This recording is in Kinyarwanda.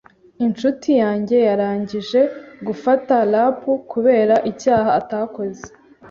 Inshuti yanjye yarangije gufata rap kubera icyaha atakoze.